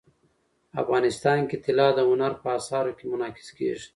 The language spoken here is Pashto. افغانستان کې طلا د هنر په اثار کې منعکس کېږي.